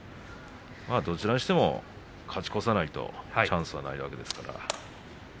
どちらにしても勝ち越さないとチャンスはないわけですから。